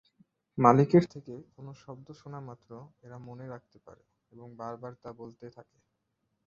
মালিকের থেকে কোন শব্দ শোনা মাত্র এরা মনে রাখতে পারে এবং বার বার তা বলতে থাকে।